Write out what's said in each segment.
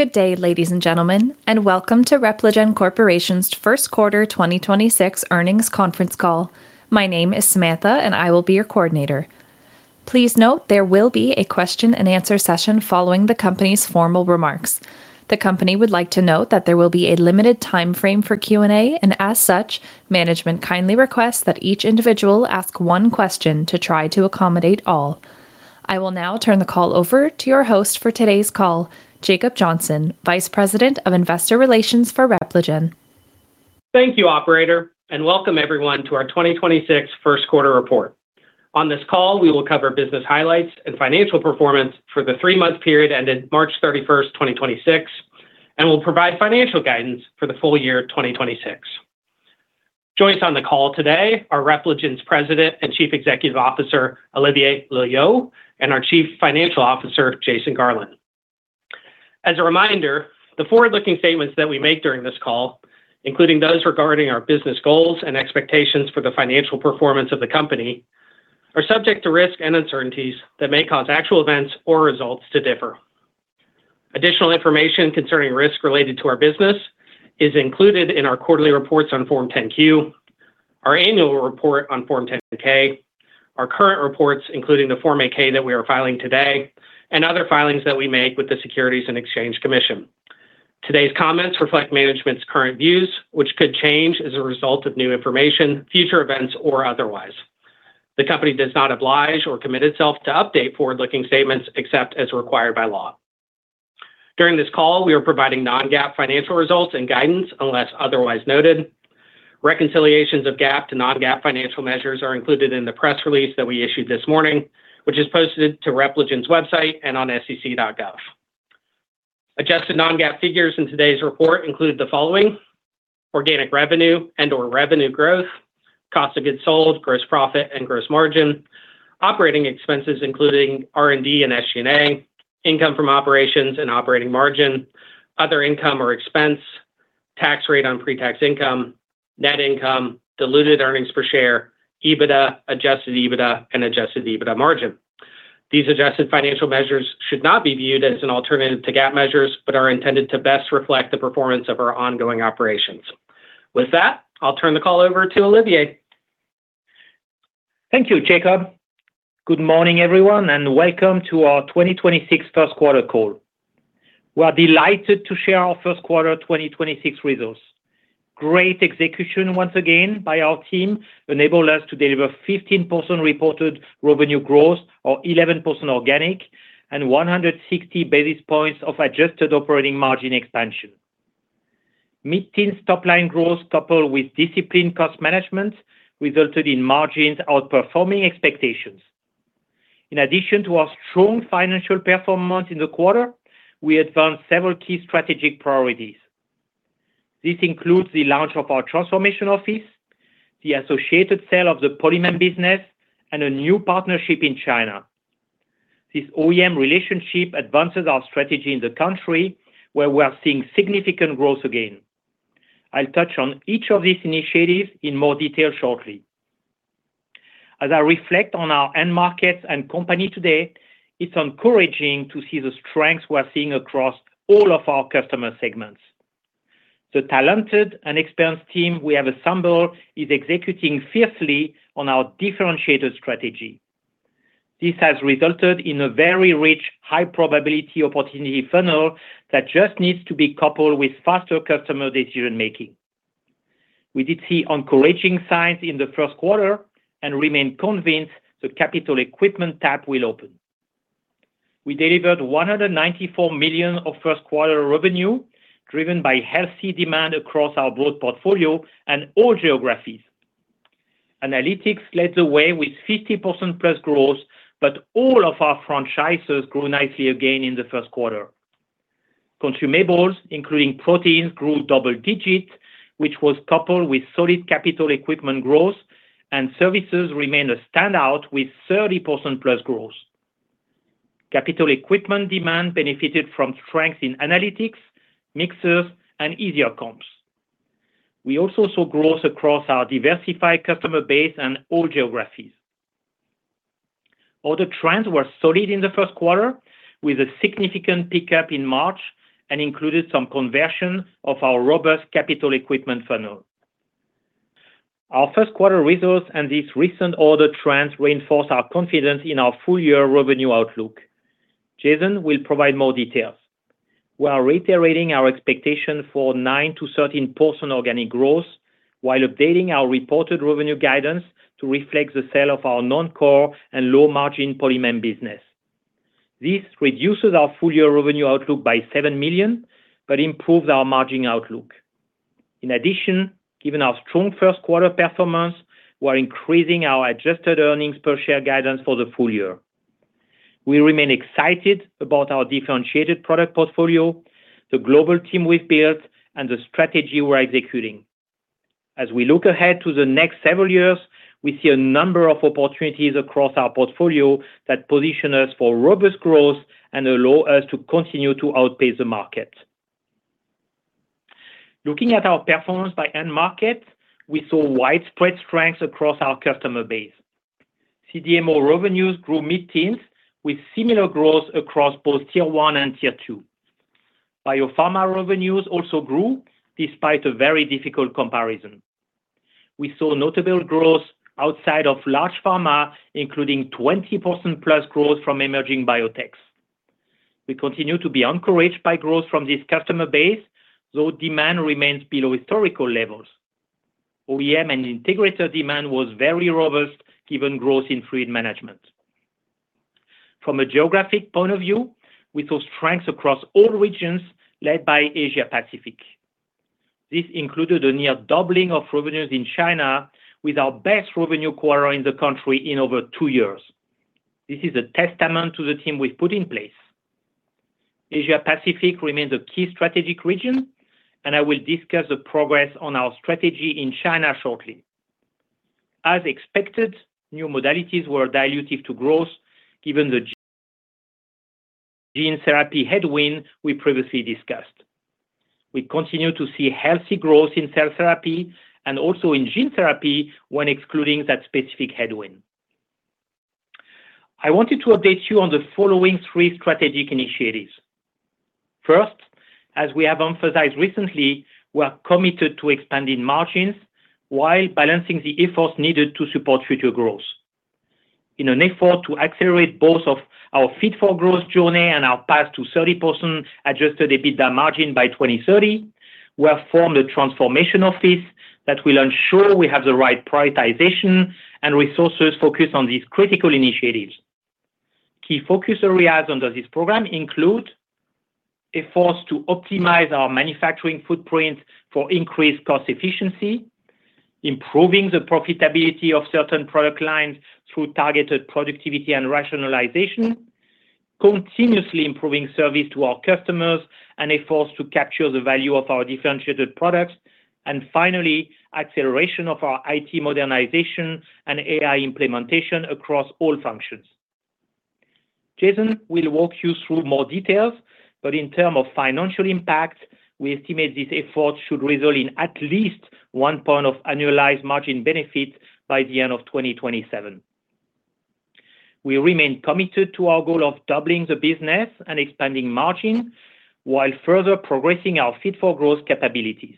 Good day, ladies and gentlemen, welcome to Repligen Corporation's first quarter 2026 earnings conference call. My name is Samantha, I will be your coordinator. Please note there will be a question and answer session following the company's formal remarks. The company would like to note that there will be a limited timeframe for Q&A, and as such, management kindly requests that each individual ask one question to try to accommodate all. I will now turn the call over to your host for today's call, Jacob Johnson, Vice President of Investor Relations for Repligen. Thank you, operator, and welcome everyone to our 2026 first quarter report. On this call, we will cover business highlights and financial performance for the three month period ended March 31st, 2026, and we'll provide financial guidance for the full year 2026. Joining us on the call today are Repligen's President and Chief Executive Officer, Olivier Loeillot, and our Chief Financial Officer, Jason Garland. As a reminder, the forward-looking statements that we make during this call, including those regarding our business goals and expectations for the financial performance of the company, are subject to risks and uncertainties that may cause actual events or results to differ. Additional information concerning risks related to our business is included in our quarterly reports on Form 10-Q, our annual report on Form 10-K, our current reports, including the Form 8-K that we are filing today, and other filings that we make with the Securities and Exchange Commission. Today's comments reflect management's current views, which could change as a result of new information, future events, or otherwise. The company does not oblige or commit itself to update forward-looking statements except as required by law. During this call, we are providing non-GAAP financial results and guidance unless otherwise noted. Reconciliations of GAAP to non-GAAP financial measures are included in the press release that we issued this morning, which is posted to Repligen's website and on sec.gov. Adjusted non-GAAP figures in today's report include the following: organic revenue and/or revenue growth, cost of goods sold, gross profit and gross margin, operating expenses, including R&D and SG&A, income from operations and operating margin, other income or expense, tax rate on pre-tax income, net income, diluted earnings per share, EBITDA, adjusted EBITDA, and adjusted EBITDA margin. These adjusted financial measures should not be viewed as an alternative to GAAP measures but are intended to best reflect the performance of our ongoing operations. With that, I'll turn the call over to Olivier. Thank you, Jacob. Good morning, everyone, welcome to our 2026 first quarter call. We are delighted to share our first quarter 2026 results. Great execution once again by our team enabled us to deliver 15% reported revenue growth or 11% organic and 160 basis points of adjusted operating margin expansion. Mid-teens top-line growth, coupled with disciplined cost management, resulted in margins outperforming expectations. In addition to our strong financial performance in the quarter, we advanced several key strategic priorities. This includes the launch of our transformation office, the associated sale of the Polymem business, and a new partnership in China. This OEM relationship advances our strategy in the country where we are seeing significant growth again. I'll touch on each of these initiatives in more detail shortly. As I reflect on our end markets and company today, it's encouraging to see the strength we're seeing across all of our customer segments. The talented and experienced team we have assembled is executing fiercely on our differentiated strategy. This has resulted in a very rich, high-probability opportunity funnel that just needs to be coupled with faster customer decision-making. We did see encouraging signs in the first quarter and remain convinced the capital equipment tap will open. We delivered $194 million of first quarter revenue, driven by healthy demand across our broad portfolio and all geographies. Analytics led the way with 50%+ growth, but all of our franchises grew nicely again in the first quarter. Consumables, including proteins, grew double digits, which was coupled with solid capital equipment growth, and services remained a standout with 30%+ growth. Capital equipment demand benefited from strength in analytics, mixers, and easier comps. We also saw growth across our diversified customer base and all geographies. Order trends were solid in the first quarter with a significant pickup in March and included some conversion of our robust capital equipment funnel. Our first quarter results and these recent order trends reinforce our confidence in our full-year revenue outlook. Jason will provide more details. We are reiterating our expectation for 9%-13% organic growth while updating our reported revenue guidance to reflect the sale of our non-core and low-margin Polymem business. This reduces our full-year revenue outlook by $7 million but improves our margin outlook. In addition, given our strong first quarter performance, we are increasing our adjusted earnings per share guidance for the full year. We remain excited about our differentiated product portfolio, the global team we've built, and the strategy we're executing. As we look ahead to the next several years, we see a number of opportunities across our portfolio that position us for robust growth and allow us to continue to outpace the market. Looking at our performance by end market, we saw widespread strength across our customer base. CDMO revenues grew mid-teens, with similar growth across both Tier 1 and Tier 2. Biopharma revenues also grew despite a very difficult comparison. We saw notable growth outside of large pharma, including 20% plus growth from emerging biotechs. We continue to be encouraged by growth from this customer base, though demand remains below historical levels. OEM and integrator demand was very robust, given growth in fluid management. From a geographic point of view, we saw strengths across all regions led by Asia Pacific. This included a near doubling of revenues in China with our best revenue quarter in the country in over two years. This is a testament to the team we've put in place. Asia Pacific remains a key strategic region, and I will discuss the progress on our strategy in China shortly. As expected, new modalities were dilutive to growth, given the gene therapy headwind we previously discussed. We continue to see healthy growth in cell therapy and also in gene therapy when excluding that specific headwind. I wanted to update you on the following three strategic initiatives. First, as we have emphasized recently, we are committed to expanding margins while balancing the efforts needed to support future growth. In an effort to accelerate both of our Fit for Growth journey and our path to 30% adjusted EBITDA margin by 2030, we have formed a transformation office that will ensure we have the right prioritization and resources focused on these critical initiatives. Key focus areas under this program include efforts to optimize our manufacturing footprint for increased cost efficiency, improving the profitability of certain product lines through targeted productivity and rationalization, continuously improving service to our customers, and efforts to capture the value of our differentiated products, and finally, acceleration of our IT modernization and AI implementation across all functions. Jason will walk you through more details, but in terms of financial impact, we estimate this effort should result in at least 1 point of annualized margin benefit by the end of 2027. We remain committed to our goal of doubling the business and expanding margin while further progressing our Fit for Growth capabilities.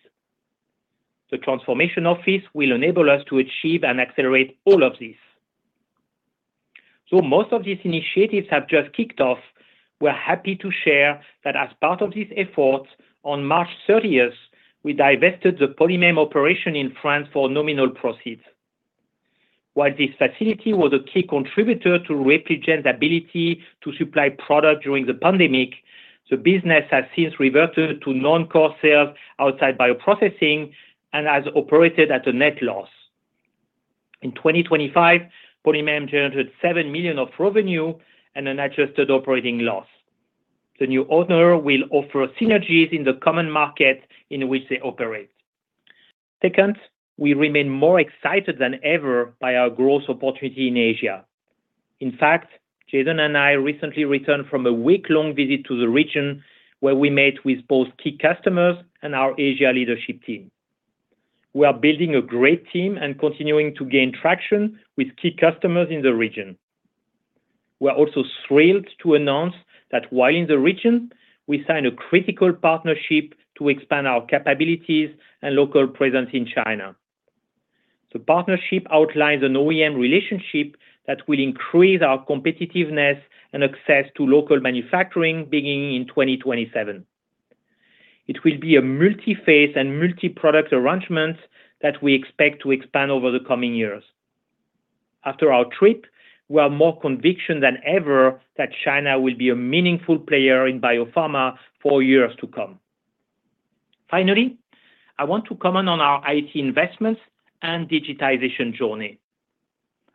The transformation office will enable us to achieve and accelerate all of this. Most of these initiatives have just kicked off. We're happy to share that as part of this effort, on March 30th, we divested the Polymem operation in France for nominal proceeds. While this facility was a key contributor to Repligen's ability to supply product during the pandemic, the business has since reverted to non-core sales outside bioprocessing and has operated at a net loss. In 2025, Polymem generated $7 million of revenue and an adjusted operating loss. The new owner will offer synergies in the common market in which they operate. Second, we remain more excited than ever by our growth opportunity in Asia. In fact, Jason and I recently returned from a week-long visit to the region where we met with both key customers and our Asia leadership team. We are building a great team and continuing to gain traction with key customers in the region. We are also thrilled to announce that while in the region, we signed a critical partnership to expand our capabilities and local presence in China. The partnership outlines an OEM relationship that will increase our competitiveness and access to local manufacturing beginning in 2027. It will be a multi-phase and multi-product arrangement that we expect to expand over the coming years. After our trip, we are more conviction than ever that China will be a meaningful player in biopharma for years to come. Finally, I want to comment on our IT investments and digitization journey.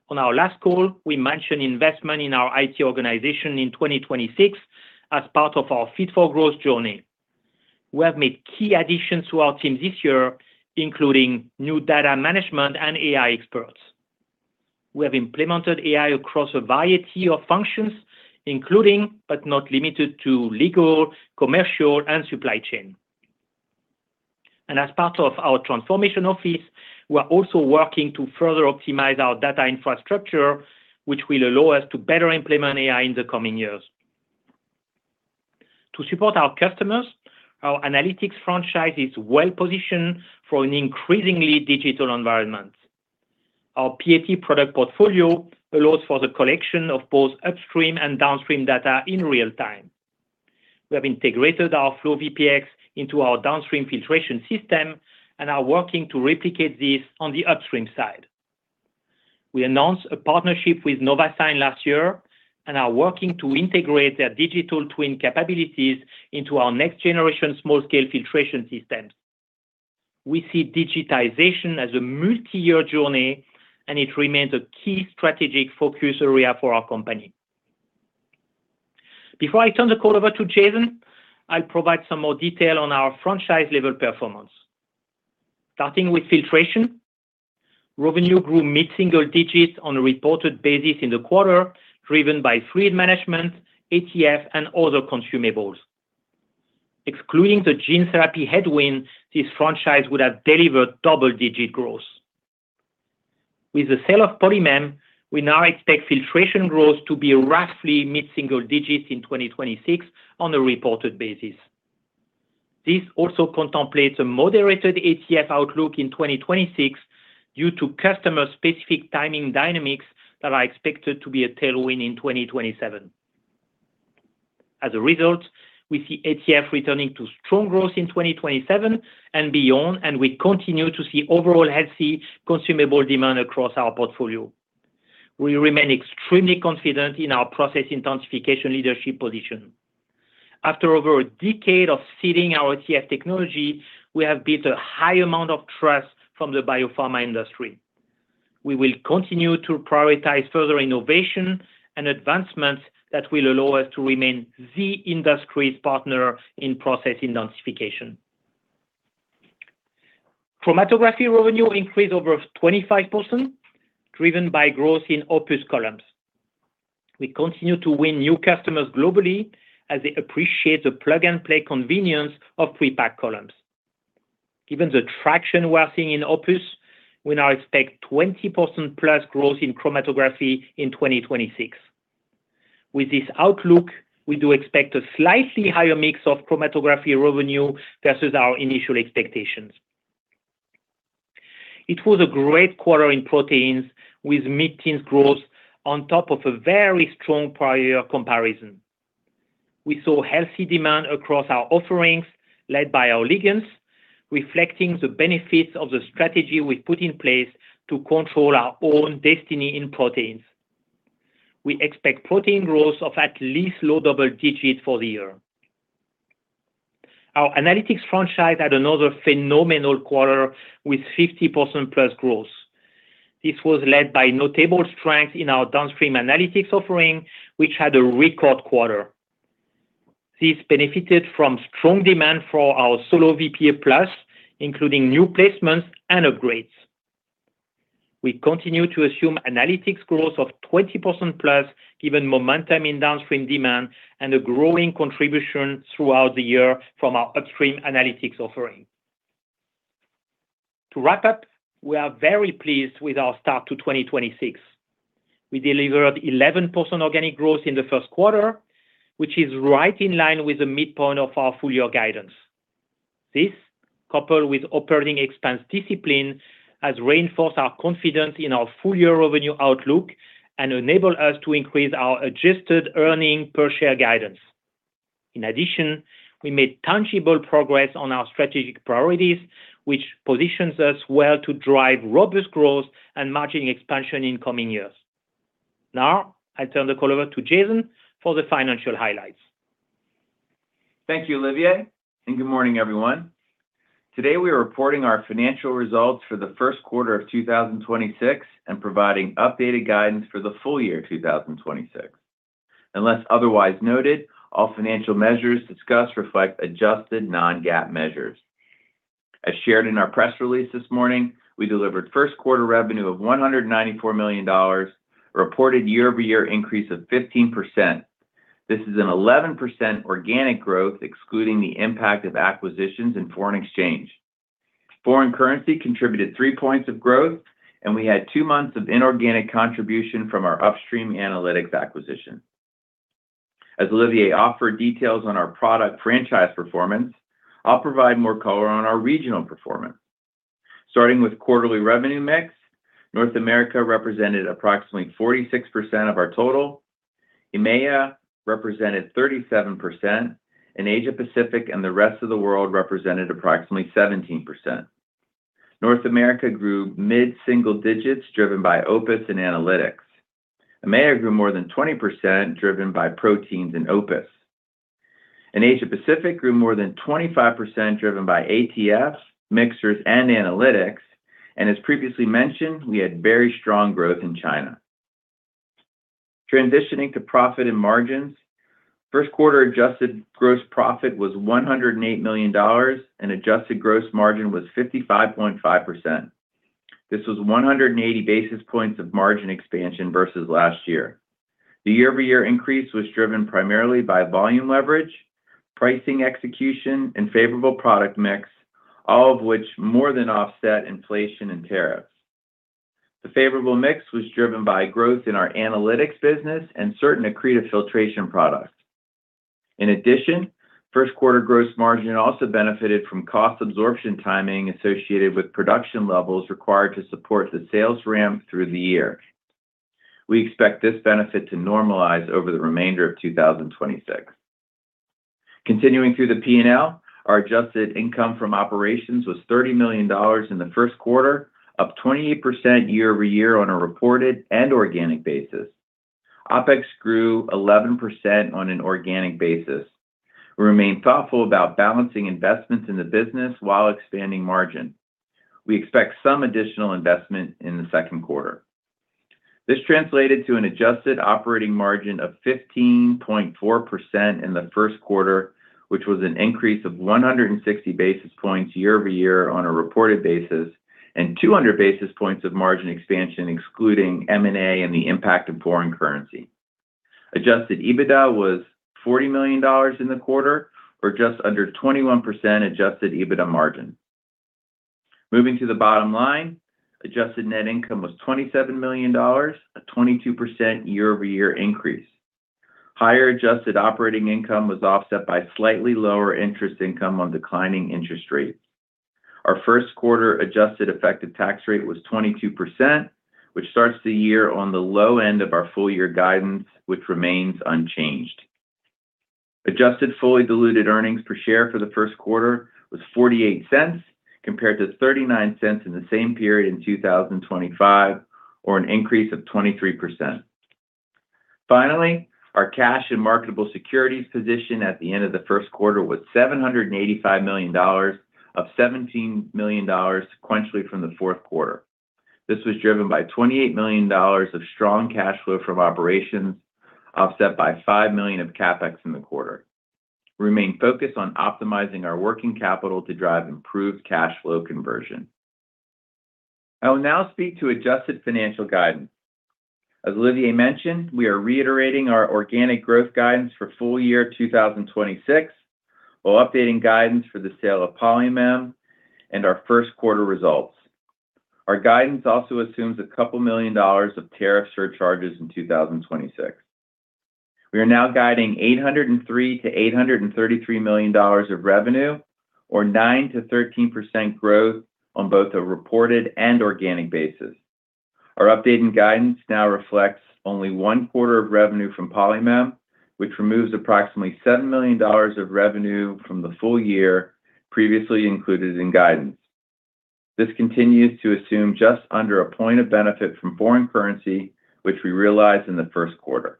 On our last call, we mentioned investment in our IT organization in 2026 as part of our Fit for Growth journey. We have made key additions to our team this year, including new data management and AI experts. We have implemented AI across a variety of functions, including, but not limited to legal, commercial, and supply chain. As part of our transformation office, we are also working to further optimize our data infrastructure, which will allow us to better implement AI in the coming years. To support our customers, our analytics franchise is well-positioned for an increasingly digital environment. Our PAT product portfolio allows for the collection of both upstream and downstream data in real time. We have integrated our FlowVPX into our downstream filtration system and are working to replicate this on the upstream side. We announced a partnership with Novasign last year and are working to integrate their digital twin capabilities into our next-generation small-scale filtration systems. We see digitization as a multi-year journey, and it remains a key strategic focus area for our company. Before I turn the call over to Jason, I'll provide some more detail on our franchise-level performance. Starting with filtration. Revenue grew mid-single digits on a reported basis in the quarter, driven by fluid management, ATF, and other consumables. Excluding the gene therapy headwind, this franchise would have delivered double-digit growth. With the sale of Polymem, we now expect filtration growth to be roughly mid-single digits in 2026 on a reported basis. This also contemplates a moderated ATF outlook in 2026 due to customer-specific timing dynamics that are expected to be a tailwind in 2027. A result, we see ATF returning to strong growth in 2027 and beyond. We continue to see overall healthy consumable demand across our portfolio. We remain extremely confident in our process intensification leadership position. After over a decade of seeding our ATF technology, we have built a high amount of trust from the Biopharma industry. We will continue to prioritize further innovation and advancements that will allow us to remain the industry's partner in process intensification. Chromatography revenue increased over 25%, driven by growth in OPUS columns. We continue to win new customers globally as they appreciate the plug-and-play convenience of pre-packed columns. Given the traction we are seeing in OPUS, we now expect 20%+ growth in chromatography in 2026. With this outlook, we do expect a slightly higher mix of chromatography revenue versus our initial expectations. It was a great quarter in proteins with mid-teens growth on top of a very strong prior year comparison. We saw healthy demand across our offerings led by our ligands, reflecting the benefits of the strategy we put in place to control our own destiny in proteins. We expect protein growth of at least low double digits for the year. Our analytics franchise had another phenomenal quarter with 50%+ growth. This was led by notable strength in our downstream analytics offering, which had a record quarter. This benefited from strong demand for our SoloVPE PLUS, including new placements and upgrades. We continue to assume analytics growth of 20%+, given momentum in downstream demand and a growing contribution throughout the year from our upstream analytics offering. To wrap up, we are very pleased with our start to 2026. We delivered 11% organic growth in the first quarter, which is right in line with the midpoint of our full-year guidance. This, coupled with operating expense discipline, has reinforced our confidence in our full-year revenue outlook and enabled us to increase our adjusted earnings per share guidance. In addition, we made tangible progress on our strategic priorities, which positions us well to drive robust growth and margin expansion in coming years. Now, I turn the call over to Jason for the financial highlights. Thank you, Olivier, and good morning, everyone. Today, we are reporting our financial results for the first quarter of 2026 and providing updated guidance for the full year 2026. Unless otherwise noted, all financial measures discussed reflect adjusted non-GAAP measures. As shared in our press release this morning, we delivered first quarter revenue of $194 million, a reported year-over-year increase of 15%. This is an 11% organic growth, excluding the impact of acquisitions and foreign exchange. Foreign currency contributed three points of growth, and we had two months of inorganic contribution from our upstream analytics acquisition. As Olivier offered details on our product franchise performance, I'll provide more color on our regional performance. Starting with quarterly revenue mix, North America represented approximately 46% of our total, EMEA represented 37%, and Asia Pacific and the rest of the world represented approximately 17%. North America grew mid-single digits, driven by OPUS and analytics. EMEA grew more than 20%, driven by proteins and OPUS. Asia Pacific grew more than 25%, driven by ATFs, mixers, and analytics. As previously mentioned, we had very strong growth in China. Transitioning to profit and margins, first quarter adjusted gross profit was $108 million, and adjusted gross margin was 55.5%. This was 180 basis points of margin expansion versus last year. The year-over-year increase was driven primarily by volume leverage, pricing execution, and favorable product mix, all of which more than offset inflation and tariffs. The favorable mix was driven by growth in our Analytics business and certain accretive filtration products. In addition, first quarter gross margin also benefited from cost absorption timing associated with production levels required to support the sales ramp through the year. We expect this benefit to normalize over the remainder of 2026. Continuing through the P&L, our adjusted income from operations was $30 million in the first quarter, up 28% year-over-year on a reported and organic basis. OpEx grew 11% on an organic basis. We remain thoughtful about balancing investments in the business while expanding margin. We expect some additional investment in the second quarter. This translated to an adjusted operating margin of 15.4% in the first quarter, which was an increase of 160 basis points year-over-year on a reported basis, and 200 basis points of margin expansion excluding M&A and the impact of foreign currency. Adjusted EBITDA was $40 million in the quarter, or just under 21% adjusted EBITDA margin. Moving to the bottom line, adjusted net income was $27 million, a 22% year-over-year increase. Higher adjusted operating income was offset by slightly lower interest income on declining interest rates. Our first quarter adjusted effective tax rate was 22%, which starts the year on the low end of our full year guidance, which remains unchanged. Adjusted fully diluted earnings per share for the first quarter was $0.48 compared to $0.39 in the same period in 2025, or an increase of 23%. Finally, our cash and marketable securities position at the end of the first quarter was $785 million, up $17 million sequentially from the fourth quarter. This was driven by $28 million of strong cash flow from operations, offset by $5 million of CapEx in the quarter. We remain focused on optimizing our working capital to drive improved cash flow conversion. I will now speak to adjusted financial guidance. As Olivier mentioned, we are reiterating our organic growth guidance for full year 2026, while updating guidance for the sale of Polymem and our first quarter results. Our guidance also assumes a couple million dollars of tariff surcharges in 2026. We are now guiding $803 million-$833 million of revenue, or 9%-13% growth on both a reported and organic basis. Our update in guidance now reflects only one quarter of revenue from Polymem, which removes approximately $7 million of revenue from the full year previously included in guidance. This continues to assume just under a point of benefit from foreign currency, which we realized in the first quarter.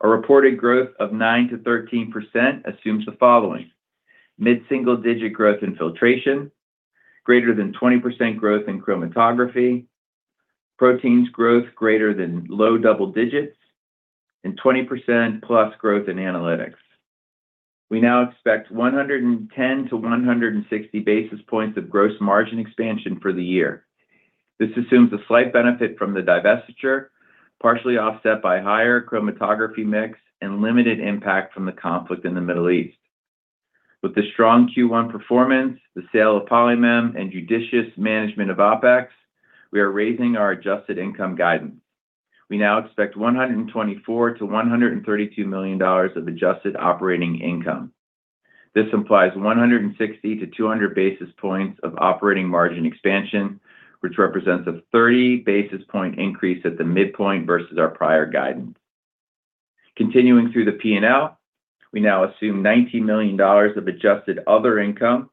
Our reported growth of 9%-13% assumes the following: mid-single-digit growth in filtration, greater than 20% growth in chromatography, proteins growth greater than low double digits, and 20%+ growth in analytics. We now expect 110-160 basis points of gross margin expansion for the year. This assumes a slight benefit from the divestiture, partially offset by higher chromatography mix and limited impact from the conflict in the Middle East. With the strong Q1 performance, the sale of Polymem, and judicious management of OpEx, we are raising our adjusted income guidance. We now expect $124 million-$132 million of adjusted operating income. This implies 160-200 basis points of operating margin expansion, which represents a 30 basis point increase at the midpoint versus our prior guidance. Continuing through the P&L, we now assume $90 million of adjusted other income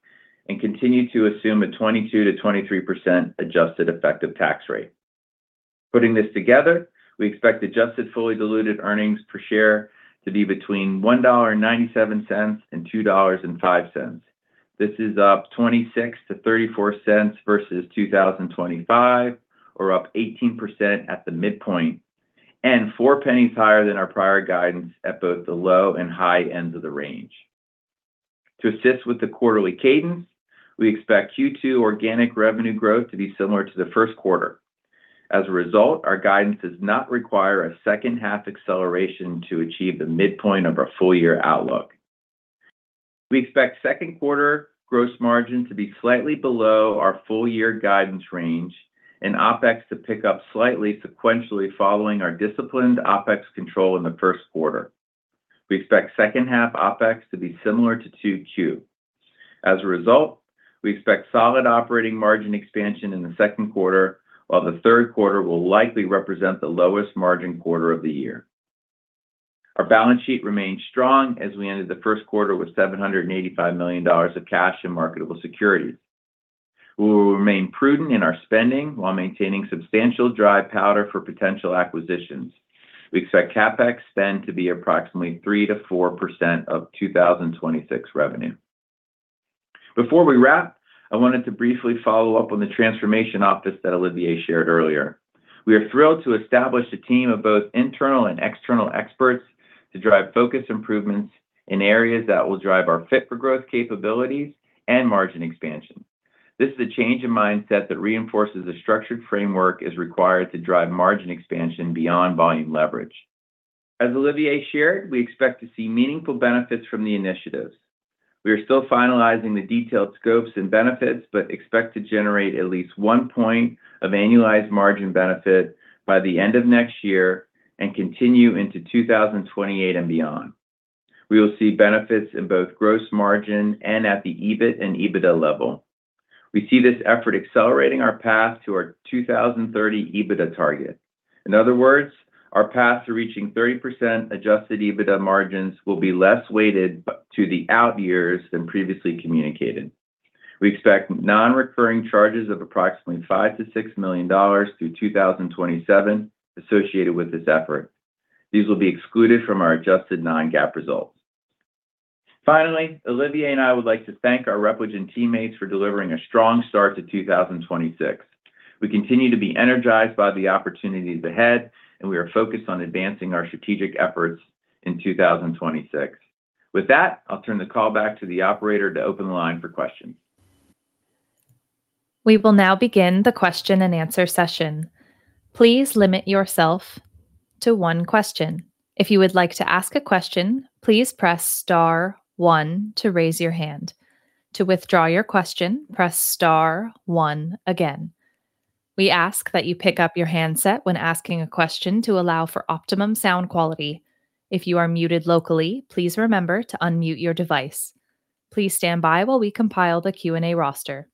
and continue to assume a 22%-23% adjusted effective tax rate. Putting this together, we expect adjusted fully diluted earnings per share to be between $1.97 and $2.05. This is up $0.26-$0.34 versus 2025, or up 18% at the midpoint, and $0.04 higher than our prior guidance at both the low and high ends of the range. To assist with the quarterly cadence, we expect Q2 organic revenue growth to be similar to the first quarter. As a result, our guidance does not require a second half acceleration to achieve the midpoint of our full year outlook. We expect second quarter gross margin to be slightly below our full year guidance range and OpEx to pick up slightly sequentially following our disciplined OpEx control in the first quarter. We expect second half OpEx to be similar to 2Q. As a result, we expect solid operating margin expansion in the second quarter, while the third quarter will likely represent the lowest margin quarter of the year. Our balance sheet remained strong as we ended the first quarter with $785 million of cash and marketable securities. We will remain prudent in our spending while maintaining substantial dry powder for potential acquisitions. We expect CapEx spend to be approximately 3%-4% of 2026 revenue. Before we wrap, I wanted to briefly follow up on the transformation office that Olivier shared earlier. We are thrilled to establish a team of both internal and external experts to drive focused improvements in areas that will drive our Fit for Growth capabilities and margin expansion. This is a change in mindset that reinforces the structured framework is required to drive margin expansion beyond volume leverage. As Olivier shared, we expect to see meaningful benefits from the initiatives. We are still finalizing the detailed scopes and benefits, expect to generate at least one point of annualized margin benefit by the end of next year and continue into 2028 and beyond. We will see benefits in both gross margin and at the EBIT and EBITDA level. We see this effort accelerating our path to our 2030 EBITDA target. In other words, our path to reaching 30% adjusted EBITDA margins will be less weighted to the out years than previously communicated. We expect non-recurring charges of approximately $5 million-$6 million through 2027 associated with this effort. These will be excluded from our adjusted non-GAAP results. Finally, Olivier and I would like to thank our Repligen teammates for delivering a strong start to 2026. We continue to be energized by the opportunities ahead, and we are focused on advancing our strategic efforts in 2026. With that, I'll turn the call back to the operator to open the line for questions. We will now begin the question-and-answer session. Please limit yourself to one question. If you would like to ask a question, please press star one to raise your hand. To withdraw your question, press star one again. We ask that you pick up your handset when asking a question to allow for optimum sound quality. If you are muted locally, please remember to unmute your device. Please stand by while we compile the Q&A roster.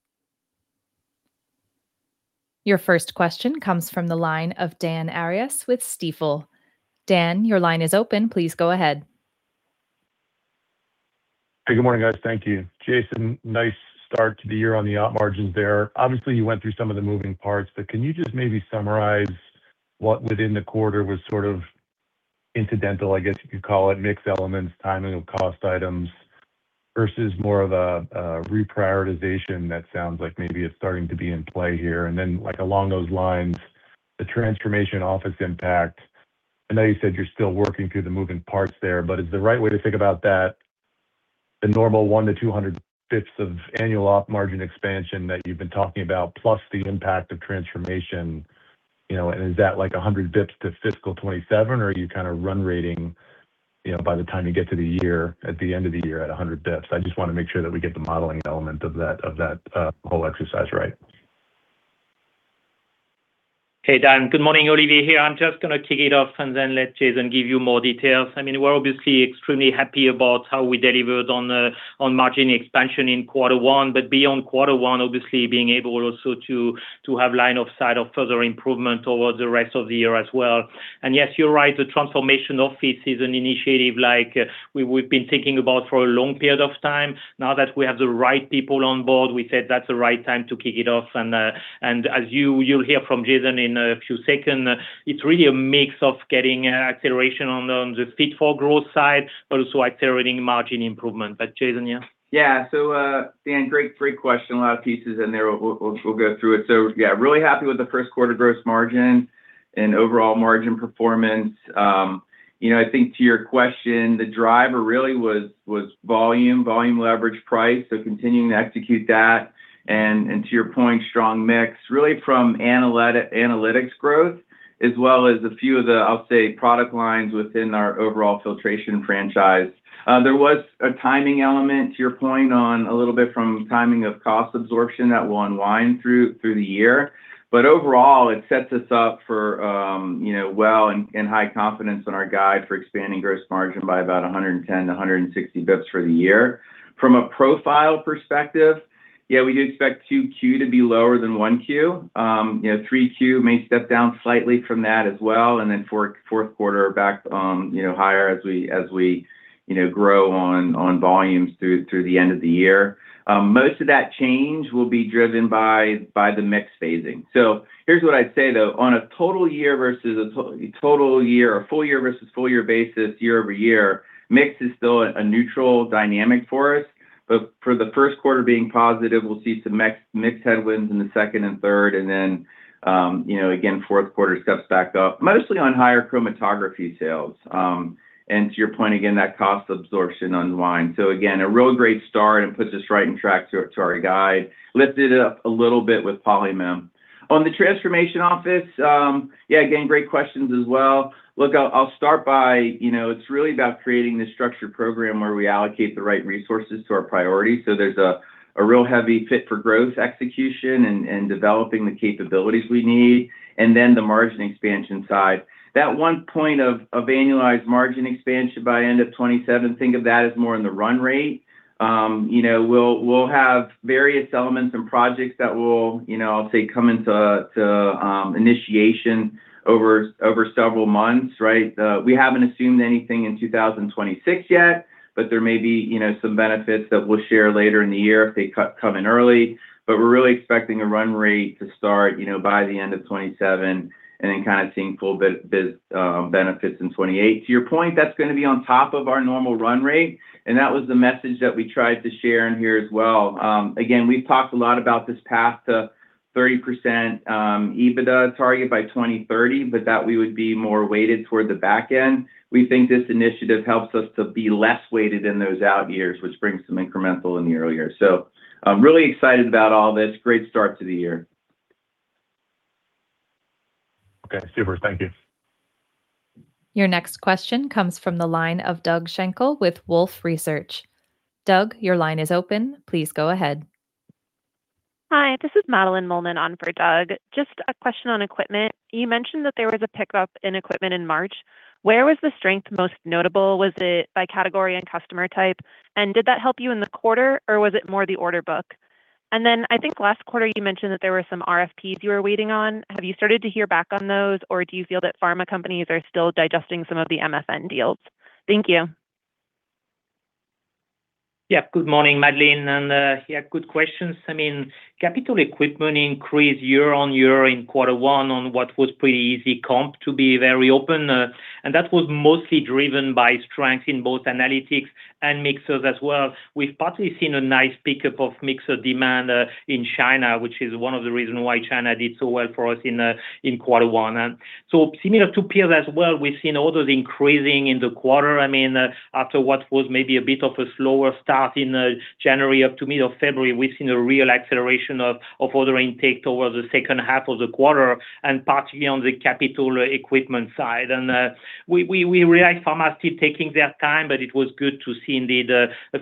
Your first question comes from the line of Dan Arias with Stifel. Dan, your line is open. Please go ahead. Hey, good morning, guys. Thank you. Jason, nice start to the year on the op margins there. Obviously, you went through some of the moving parts, but can you just maybe summarize what within the quarter was sort of incidental, I guess you could call it, mixed elements, timing of cost items, versus more of a reprioritization that sounds like maybe is starting to be in play here? Along those lines, like the transformation office impact. I know you said you're still working through the moving parts there, but is the right way to think about that the normal 100-200 basis points of annual op margin expansion that you've been talking about plus the impact of transformation, you know, and is that like 100 basis points to FY 2027, or are you kind of run rating, you know, by the time you get to the year, at the end of the year at 100 basis points? I just want to make sure that we get the modeling element of that whole exercise right. Hey, Dan. Good morning. Olivier here. I'm just gonna kick it off and then let Jason give you more details. I mean, we're obviously extremely happy about how we delivered on the, on margin expansion in quarter one, but beyond quarter one, obviously being able also to have line of sight of further improvement over the rest of the year as well. Yes, you're right, the transformation office is an initiative like we've been thinking about for a long period of time. Now that we have the right people on board, we said that's the right time to kick it off. As you'll hear from Jason in a few second, it's really a mix of getting acceleration on the Fit for Growth side, but also accelerating margin improvement. Jason, yeah. Yeah. Dan, great free question. A lot of pieces in there. We'll go through it. Yeah, really happy with the first quarter gross margin and overall margin performance. You know, I think to your question, the driver really was volume leverage price. Continuing to execute that. To your point, strong mix really from analytics growth as well as a few of the, I'll say, product lines within our overall filtration franchise. There was a timing element to your point on a little bit from timing of cost absorption that will unwind through the year. Overall, it sets us up for, you know, well and high confidence in our guide for expanding gross margin by about 110 to 160 basis points for the year. From a profile perspective, yeah, we do expect 2Q to be lower than 1Q. You know, 3Q may step down slightly from that as well, fourth quarter back, you know, higher as we, you know, grow on volumes through the end of the year. Most of that change will be driven by the mix phasing. Here's what I'd say, though. On a total year versus a total year or full year versus full year basis year-over-year, mix is still a neutral dynamic for us. For the first quarter being positive, we'll see some mix headwinds in the second and third, you know, again, fourth quarter steps back up, mostly on higher chromatography sales. To your point, again, that cost absorption unwind. Again, a real great start, and it puts us right on track to our guide. Lifted it up a little bit with Polymem. On the transformation office, yeah, again, great questions as well. Look, I'll start by, you know, it's really about creating this structured program where we allocate the right resources to our priorities. There's a real heavy Fit for Growth execution and developing the capabilities we need and then the margin expansion side. That one point of annualized margin expansion by end of 2027, think of that as more in the run rate. You know, we'll have various elements and projects that will, you know, I'll say, come into initiation over several months, right? We haven't assumed anything in 2026 yet, there may be, you know, some benefits that we'll share later in the year if they come in early. We're really expecting a run rate to start, you know, by the end of 2027 and then kind of seeing full benefits in 2028. To your point, that's gonna be on top of our normal run rate, that was the message that we tried to share in here as well. Again, we've talked a lot about this path to 30% EBITDA target by 2030, that we would be more weighted toward the back end. We think this initiative helps us to be less weighted in those out years, which brings some incremental in the early years. I'm really excited about all this. Great start to the year. Okay. Super. Thank you. Your next question comes from the line of Doug Schenkel with Wolfe Research. Doug, your line is open. Please go ahead. Hi, this is Madeleine Nolan on for Doug. Just a question on equipment. You mentioned that there was a pickup in equipment in March. Where was the strength most notable? Was it by category and customer type? Did that help you in the quarter, or was it more the order book? I think last quarter you mentioned that there were some RFPs you were waiting on. Have you started to hear back on those, or do you feel that pharma companies are still digesting some of the MFN deals? Thank you. Good morning, Madeleine, good questions. Capital equipment increased year-over-year in quarter one on what was pretty easy comp, to be very open, and that was mostly driven by strength in both analytics and mixers as well. We've partly seen a nice pickup of mixer demand in China, which is one of the reason why China did so well for us in quarter one. Similar to P&L as well, we've seen orders increasing in the quarter. After what was maybe a bit of a slower start in January up to mid of February, we've seen a real acceleration of ordering take toward the second half of the quarter, and particularly on the capital equipment side. We realize pharma's still taking their time, but it was good to see indeed,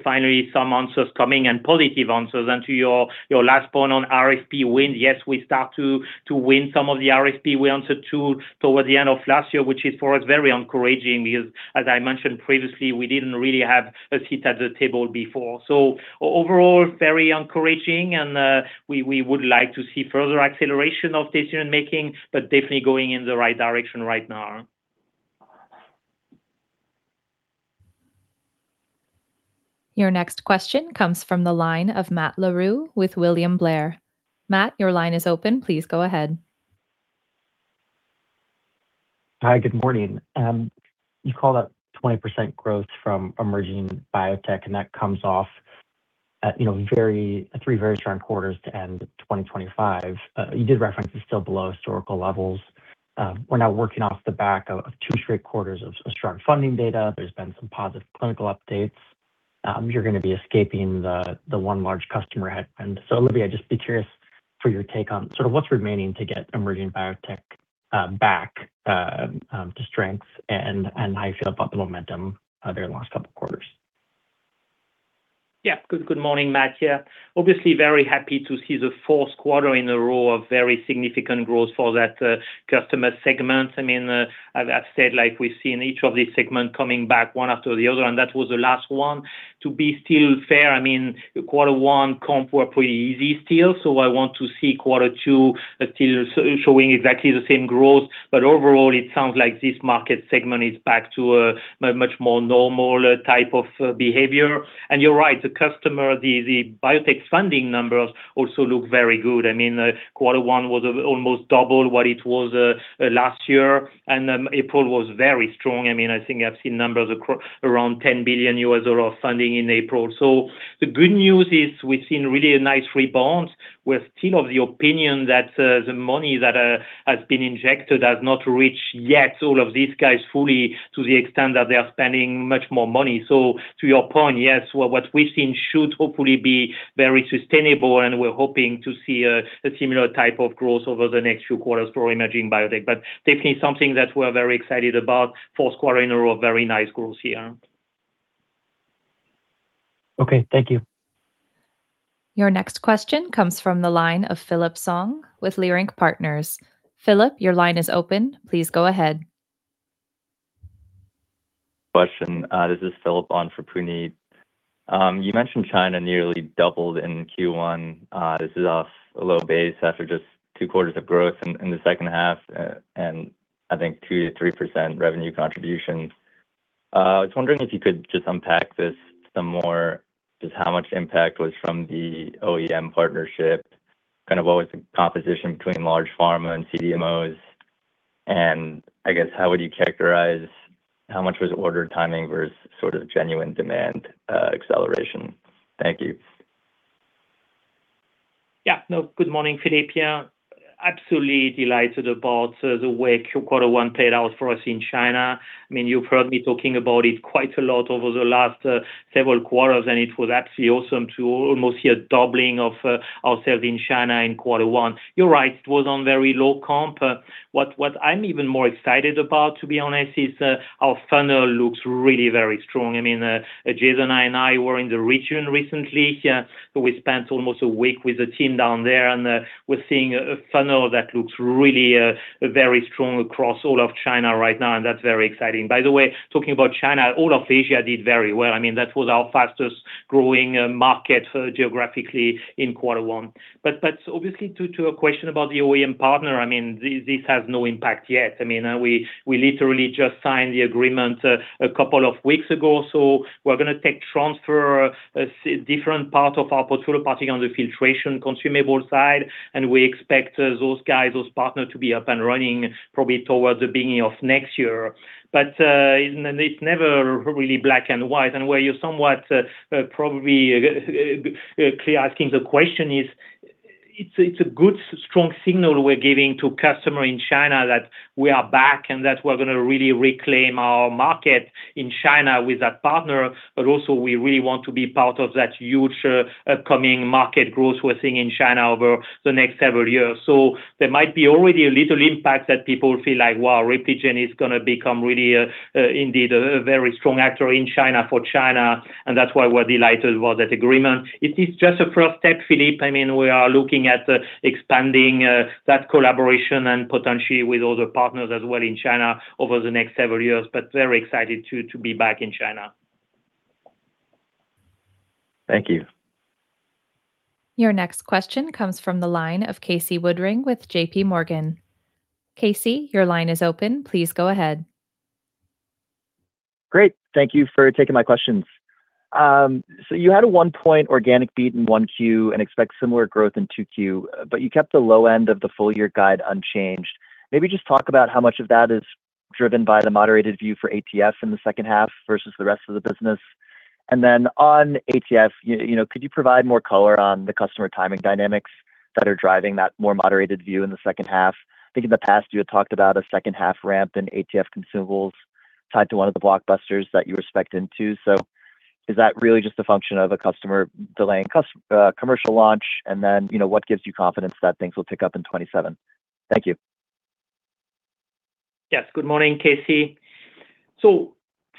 finally some answers coming, and positive answers. To your last point on RFP win, yes, we start to win some of the RFP. We answered 2 towards the end of last year, which is, for us, very encouraging because as I mentioned previously, we didn't really have a seat at the table before. Overall, very encouraging and we would like to see further acceleration of decision-making, but definitely going in the right direction right now. Your next question comes from the line of Matt Larew with William Blair. Matt, your line is open. Please go ahead. Hi, good morning. You called out 20% growth from emerging biotech, that comes off at, you know, three very strong quarters to end 2025. You did reference it's still below historical levels. We're now working off the back of two straight quarters of strong funding data. There's been some positive clinical updates. You're gonna be escaping the one large customer headwind. Olivier, I'd just be curious for your take on sort of what's remaining to get emerging biotech back to strength and how you feel about the momentum there the last couple quarters? Good morning, Matt Larew. Obviously very happy to see the fourth quarter in a row of very significant growth for that customer segment. I mean, as I've said, like, we've seen each of these segment coming back one after the other, and that was the last one. To be still fair, I mean, Q1 comp were pretty easy still, so I want to see Q2 still showing exactly the same growth. Overall, it sounds like this market segment is back to a much more normal type of behavior. You're right, the customer, the biotech funding numbers also look very good. I mean, Q1 was almost double what it was last year, April was very strong. I mean, I think I've seen numbers around $10 billion funding in April. The good news is we've seen really a nice rebound. We're still of the opinion that the money that has been injected has not reached yet all of these guys fully to the extent that they are spending much more money. To your point, yes, what we've seen should hopefully be very sustainable, and we're hoping to see a similar type of growth over the next few quarters for emerging biotech. Definitely something that we're very excited about. Fourth quarter in a row, very nice growth here. Okay, thank you. Your next question comes from the line of Philip Song with Leerink Partners. Philip, your line is open. Please go ahead. Question. This is Philip Song for Puneet. You mentioned China nearly doubled in Q1. This is off a low base after just two quarters of growth in the second half, and I think 2%-3% revenue contribution. I was wondering if you could just unpack this some more, just how much impact was from the OEM partnership, kind of what was the composition between large pharma and CDMOs, and I guess, how would you characterize how much was order timing versus sort of genuine demand acceleration? Thank you. Good morning, Philip. Absolutely delighted about the way quarter one played out for us in China. I mean, you've heard me talking about it quite a lot over the last several quarters, and it was absolutely awesome to almost hear doubling of our sales in China in quarter one. You're right, it was on very low comp. What I'm even more excited about, to be honest, is our funnel looks really very strong. I mean, Jason and I were in the region recently. We spent almost a week with the team down there, and we're seeing a funnel that looks really very strong across all of China right now, and that's very exciting. By the way, talking about China, all of Asia did very well. I mean, that was our fastest growing market geographically in quarter one. Obviously to your question about the OEM partner, I mean, this has no impact yet. I mean, we literally just signed the agreement a couple of weeks ago, so we're gonna transfer different part of our portfolio, particularly on the filtration consumable side, and we expect those guys, those partner to be up and running probably towards the beginning of next year. It's never really black and white, and where you're somewhat probably clear asking the question is it's a good strong signal we're giving to customer in China that we are back, and that we're gonna really reclaim our market in China with that partner. Also we really want to be part of that huge upcoming market growth we're seeing in China over the next several years. There might be already a little impact that people feel like, wow, Repligen is going to become really a very strong actor in China for China, and that's why we're delighted about that agreement. It is just a first step, Philip. I mean, we are looking at expanding that collaboration and potentially with other partners as well in China over the next several years. Very excited to be back in China. Thank you. Your next question comes from the line of Casey Woodring with JPMorgan. Casey, your line is open. Please go ahead. Great. Thank you for taking my questions. You had a one point organic beat in 1Q and expect similar growth in 2Q, but you kept the low end of the full year guide unchanged. Maybe just talk about how much of that is driven by the moderated view for ATF in the second half versus the rest of the business. Then on ATF, you know, could you provide more color on the customer timing dynamics that are driving that more moderated view in the second half? I think in the past you had talked about a second half ramp in ATF consumables tied to one of the blockbusters that you expect in two. Is that really just a function of a customer delaying commercial launch? Then, you know, what gives you confidence that things will pick up in 2027? Thank you. Yes. Good morning, Casey.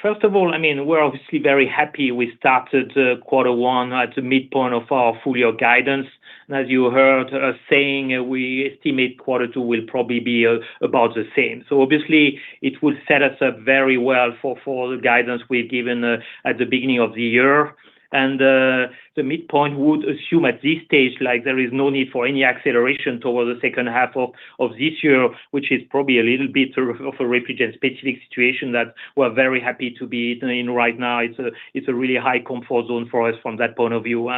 First of all, I mean, we're obviously very happy we started quarter one at the midpoint of our full year guidance. As you heard us saying, we estimate quarter two will probably be about the same. Obviously it will set us up very well for the guidance we've given at the beginning of the year. The midpoint would assume at this stage, like there is no need for any acceleration toward the second half of this year, which is probably a little bit of a Repligen specific situation that we're very happy to be in right now. It's a really high comfort zone for us from that point of view.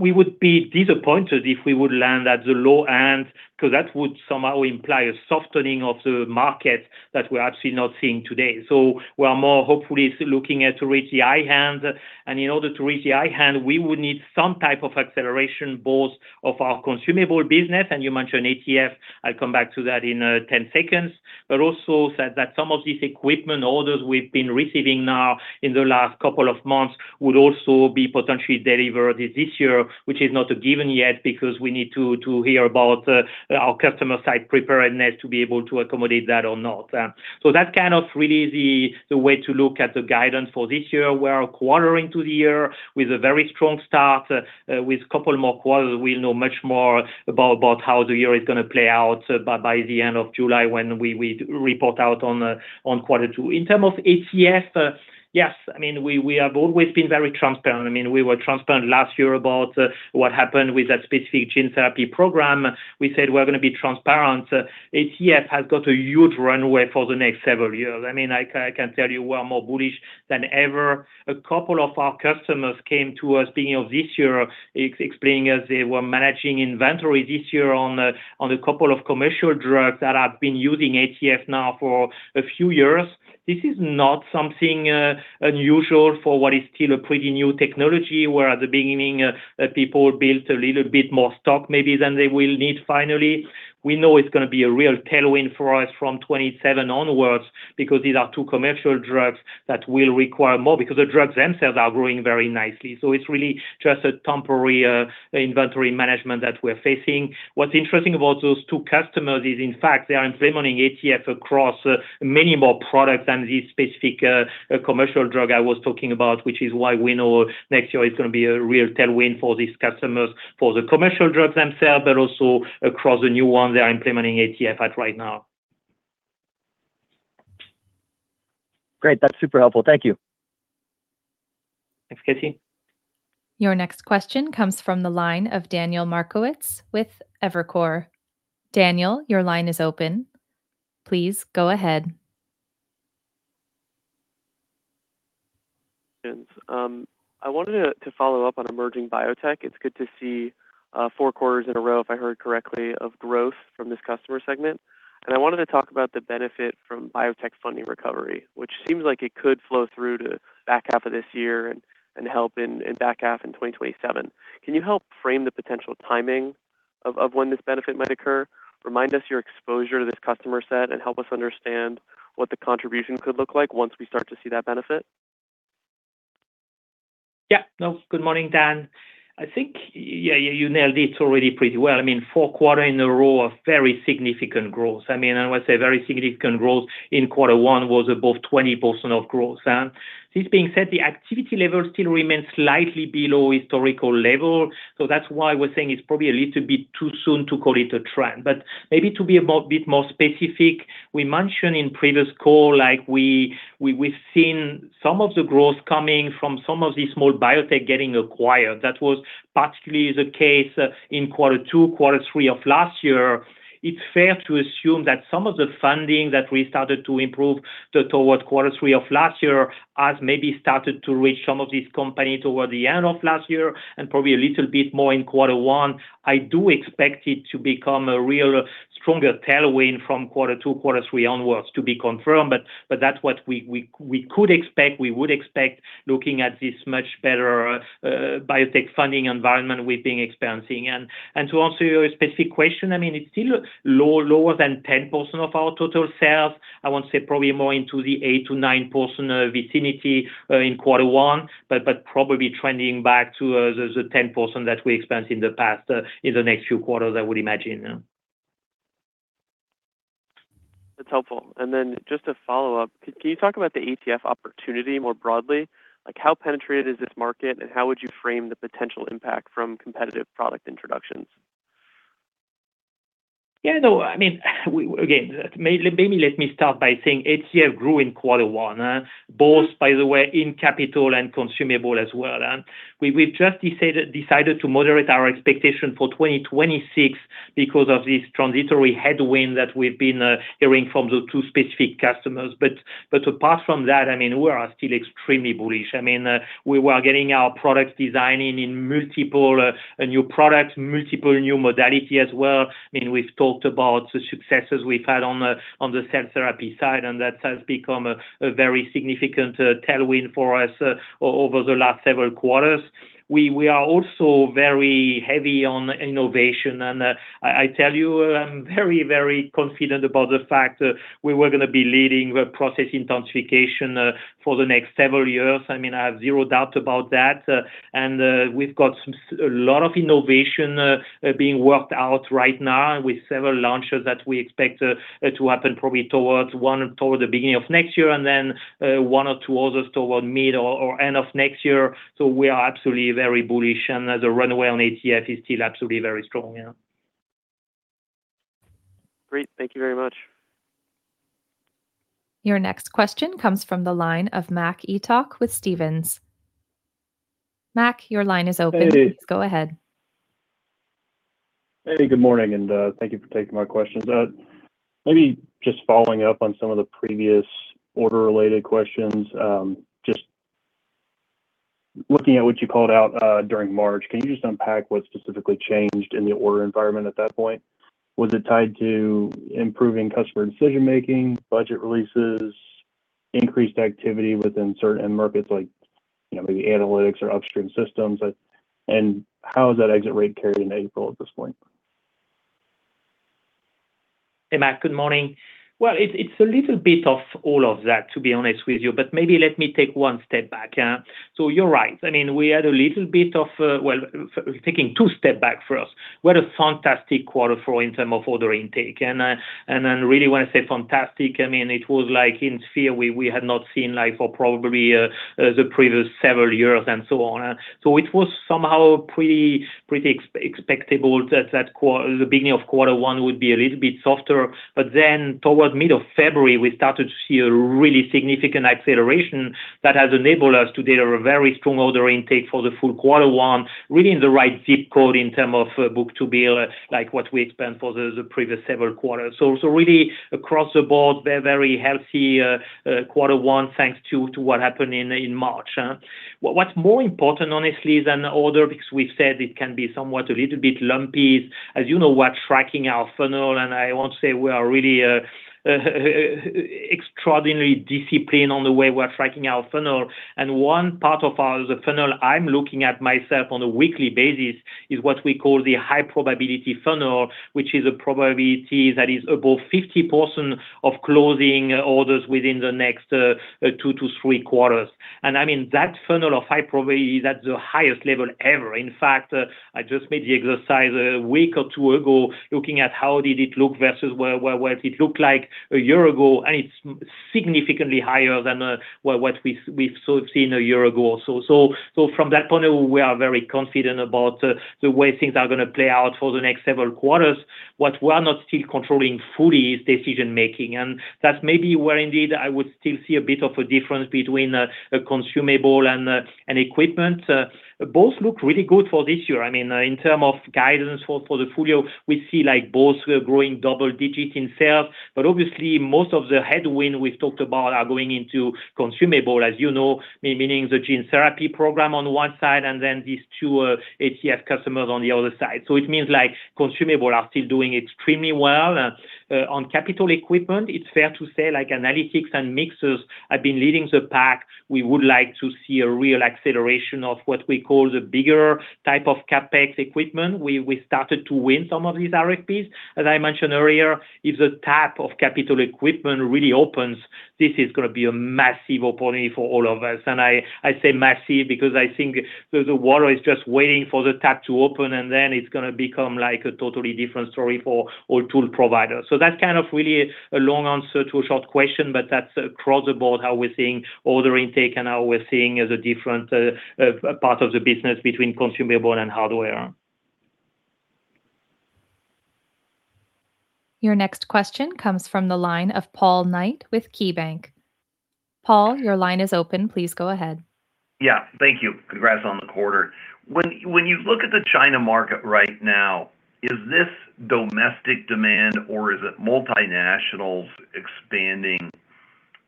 We would be disappointed if we would land at the low end, because that would somehow imply a softening of the market that we're actually not seeing today. We're more hopefully looking at to reach the high end. In order to reach the high end, we would need some type of acceleration both of our Consumable business, and you mentioned ATF, I'll come back to that in 10 seconds, but also that some of these equipment orders we've been receiving now in the last couple of months would also be potentially delivered this year, which is not a given yet because we need to hear about our customer side preparedness to be able to accommodate that or not. That's kind of really the way to look at the guidance for this year. We are quartering to the year with a very strong start, with couple more quarters, we'll know much more about how the year is gonna play out by the end of July when we report out on quarter two. In term of ATF, yes. I mean, we have always been very transparent. I mean, we were transparent last year about what happened with that specific gene therapy program. We said we're gonna be transparent. ATF has got a huge runway for the next several years. I mean, I can tell you we're more bullish than ever. A couple of our customers came to us beginning of this year explaining as they were managing inventory this year on a couple of commercial drugs that have been using ATF now for a few years. This is not something unusual for what is still a pretty new technology where at the beginning, people built a little bit more stock maybe than they will need finally. We know it's gonna be a real tailwind for us from 27 onwards because these are two commercial drugs that will require more because the drugs themselves are growing very nicely. It's really just a temporary inventory management that we're facing. What's interesting about those two customers is, in fact, they are implementing ATF across many more products than this specific commercial drug I was talking about, which is why we know next year it's gonna be a real tailwind for these customers for the commercial drugs themselves, but also across the new ones they are implementing ATF at right now. Great. That's super helpful. Thank you. Thanks, Casey. Your next question comes from the line of Daniel Markowitz with Evercore. Daniel, your line is open. Please go ahead. I wanted to follow up on emerging biotech. It's good to see four quarters in a row, if I heard correctly, of growth from this customer segment. I wanted to talk about the benefit from biotech funding recovery, which seems like it could flow through to back half of this year and help in back half in 2027. Can you help frame the potential timing of when this benefit might occur? Remind us your exposure to this customer set, and help us understand what the contribution could look like once we start to see that benefit. Yeah. No, good morning, Dan. I think yeah, you nailed it already pretty well. I mean, four quarter in a row of very significant growth. I mean, I would say very significant growth in quarter one was above 20% of growth. This being said, the activity level still remains slightly below historical level. That's why we're saying it's probably a little bit too soon to call it a trend. Maybe to be a more bit more specific, we mentioned in previous call, like we've seen some of the growth coming from some of these small Biotech getting acquired. That was particularly the case in quarter two, quarter three of last year. It's fair to assume that some of the funding that we started to improve towards quarter three of last year has maybe started to reach some of these companies toward the end of last year and probably a little bit more in quarter one. I do expect it to become a real stronger tailwind from quarter two, quarter three onwards to be confirmed, but that's what we could expect, we would expect looking at this much better biotech funding environment we've been experiencing. To answer your specific question, I mean, it's still low-lower than 10% of our total sales. I want to say probably more into the 8%-9% vicinity in quarter one, but probably trending back to the 10% that we experienced in the past in the next few quarters, I would imagine. Yeah. That's helpful. Then just a follow-up. Can you talk about the ATF opportunity more broadly? Like, how penetrated is this market, and how would you frame the potential impact from competitive product introductions? I mean, again, maybe let me start by saying ATF grew in quarter one, both by the way, in capital and consumable as well. We've just decided to moderate our expectation for 2026 because of this transitory headwind that we've been hearing from the two specific customers. Apart from that, I mean, we are still extremely bullish. I mean, we were getting our product designing in multiple new products, multiple new modality as well. I mean, we've talked about the successes we've had on the cell therapy side, that has become a very significant tailwind for us over the last several quarters. We are also very heavy on innovation. I tell you, I'm very, very confident about the fact, we were going to be leading the process intensification for the next several years. I mean, I have zero doubt about that. We've got a lot of innovation being worked out right now with several launches that we expect to happen probably toward the beginning of next year and then one or two others toward mid or end of next year. We are absolutely very bullish, and the runway on ATF is still absolutely very strong, yeah. Great. Thank you very much. Your next question comes from the line of Mac Etoch with Stephens. Mac, your line is open. Hey. Please go ahead. Hey, good morning. Thank you for taking my questions. Maybe just following up on some of the previous order-related questions, just looking at what you called out during March, can you just unpack what specifically changed in the order environment at that point? Was it tied to improving customer decision-making, budget releases, increased activity within certain end markets like, you know, maybe analytics or upstream systems? How is that exit rate carrying April at this point? Hey, Mac. Good morning. It's a little bit of all of that, to be honest with you, but maybe let me take one step back, yeah. You're right. I mean, we had a little bit of taking two steps back first. We had a fantastic quarter for in terms of order intake, and I really wanna say fantastic. I mean, it was like in years we had not seen like for probably the previous several years and so on. It was somehow pretty expectable that the beginning of quarter one would be a little bit softer. Towards middle of February, we started to see a really significant acceleration that has enabled us to deliver very strong order intake for the full quarter one, really in the right ZIP code in term of book-to-bill, like what we expect for the previous several quarters. Really across the board, very healthy quarter one, thanks to what happened in March. What's more important, honestly, than order, because we've said it can be somewhat a little bit lumpy. As you know, we're tracking our funnel, and I want to say we are really extraordinarily disciplined on the way we're tracking our funnel. One part of our, the funnel I'm looking at myself on a weekly basis is what we call the high probability funnel, which is a probability that is above 50% of closing orders within the next two to three quarters. I mean, that funnel of high probability is at the highest level ever. In fact, I just made the exercise a week or two ago, looking at how did it look versus where it looked like a year ago, and it's significantly higher than what we've sort of seen a year ago. From that point of view, we are very confident about the way things are gonna play out for the next several quarters. What we are not still controlling fully is decision-making, and that's maybe where indeed I would still see a bit of a difference between a consumable and equipment. Both look really good for this year. I mean, in term of guidance for the full year, we see like both were growing double-digit in sales. Obviously, most of the headwind we've talked about are going into consumable, as you know, meaning the gene therapy program on one side and then these two ATF customers on the other side. It means like consumable are still doing extremely well. On capital equipment, it's fair to say like analytics and mixers have been leading the pack. We would like to see a real acceleration of what we call the bigger type of CapEx equipment. We started to win some of these RFPs. As I mentioned earlier, if the tap of capital equipment really opens, this is gonna be a massive opportunity for all of us. I say massive because I think the water is just waiting for the tap to open, and then it's gonna become like a totally different story for all tool providers. That's kind of really a long answer to a short question, but that's across the board how we're seeing order intake and how we're seeing the different part of the business between consumable and hardware. Your next question comes from the line of Paul Knight with KeyBanc. Paul, your line is open. Please go ahead. Yeah. Thank you. Congrats on the quarter. When you look at the China market right now, is this domestic demand or is it multinationals expanding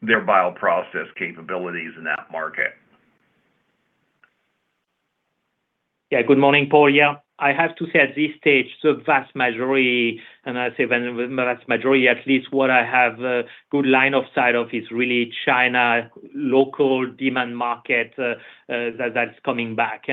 their bioprocess capabilities in that market? Good morning, Paul. I have to say at this stage, the vast majority, and I say vast majority, at least what I have a good line of sight of, is really China local demand market that's coming back.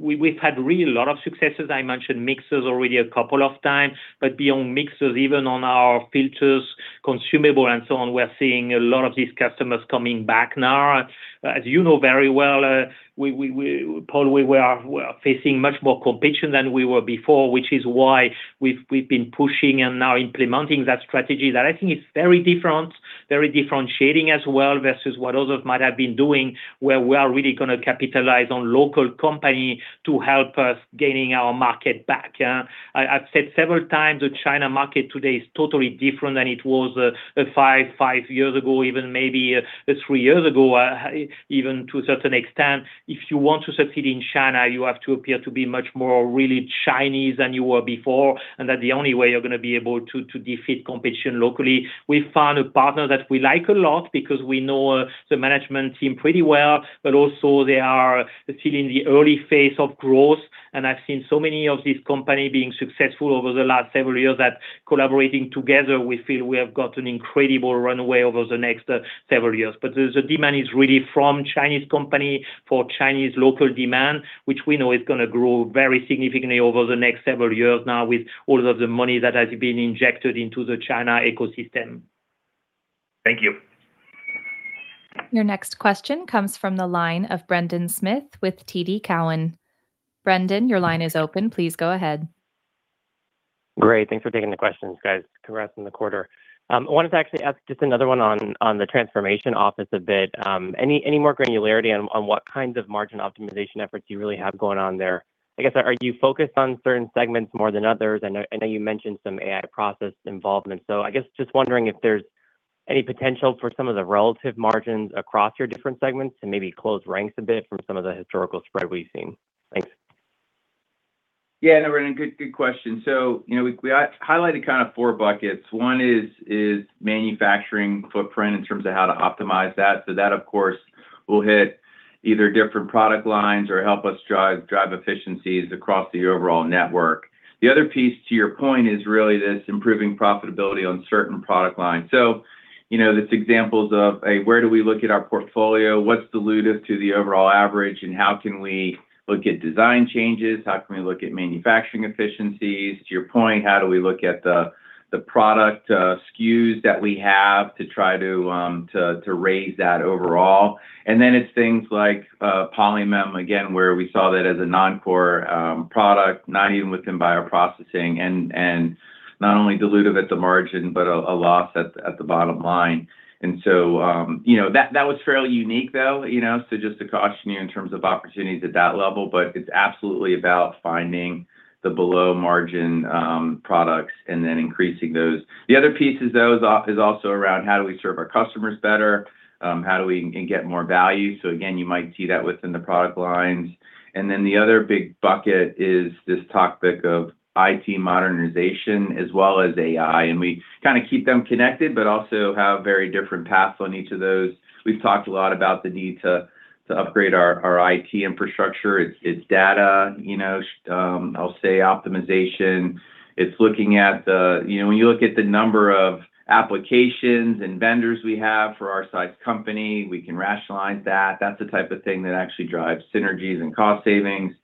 We've had really a lot of successes. I mentioned mixers already couple of times. Beyond mixers, even on our filters, consumable and so on, we are seeing a lot of these customers coming back now. As you know very well, we Paul, we are facing much more competition than we were before, which is why we've been pushing and now implementing that strategy that I think is very different, very differentiating as well, versus what others might have been doing, where we are really gonna capitalize on local company to help us gaining our market back, yeah. I've said several times, the China market today is totally different than it was, five years ago, even maybe, three years ago. Even to a certain extent, if you want to succeed in China, you have to appear to be much more really Chinese than you were before, that the only way you're gonna be able to defeat competition locally. We found a partner that we like a lot because we know the management team pretty well. Also, they are still in the early phase of growth. I've seen so many of these company being successful over the last several years that collaborating together, we feel we have got an incredible runway over the next several years. The demand is really from Chinese company for Chinese local demand, which we know is going to grow very significantly over the next several years now with all of the money that has been injected into the China ecosystem. Thank you. Your next question comes from the line of Brendan Smith with TD Cowen. Brendan, your line is open. Please go ahead. Great. Thanks for taking the questions, guys. Congrats on the quarter. Wanted to actually ask just another one on the transformation office a bit. Any more granularity on what kinds of margin optimization efforts you really have going on there? I guess, are you focused on certain segments more than others? I know you mentioned some AI process involvement. I guess just wondering if there's any potential for some of the relative margins across your different segments to maybe close ranks a bit from some of the historical spread we've seen. Thanks. Yeah, no, Brendan, good question. You know, we highlighted kind of four buckets. One is manufacturing footprint in terms of how to optimize that. That, of course, will hit either different product lines or help us drive efficiencies across the overall network. The other piece to your point is really this improving profitability on certain product lines. You know, these examples of where do we look at our portfolio? What's dilutive to the overall average? How can we look at design changes? How can we look at manufacturing efficiencies? To your point, how do we look at the product SKUs that we have to try to raise that overall? It's things like Polymem again, where we saw that as a non-core product, not even within bioprocessing, not only dilutive at the margin, but a loss at the bottom line. You know, that was fairly unique though, you know. It's absolutely about finding the below margin products and then increasing those. The other piece is also around how do we serve our customers better, how do we get more value. Again, you might see that within the product lines. The other big bucket is this topic of IT modernization as well as AI, and we kind of keep them connected, but also have very different paths on each of those. We've talked a lot about the need to upgrade our IT infrastructure. It's data, you know. I'll say optimization. When you look at the number of applications and vendors we have for our size company, we can rationalize that. That's the type of thing that actually drives synergies and cost savings.